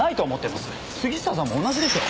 杉下さんも同じでしょう。